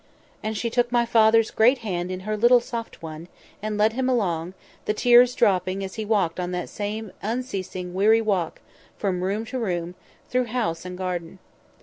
And she took my father's great hand in her little soft one, and led him along, the tears dropping as he walked on that same unceasing, weary walk, from room to room, through house and garden.